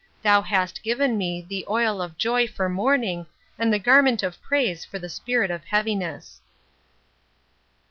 Thou hast given me * the oil of joy for mourning, and the garment of praise for the spirit of heaviness.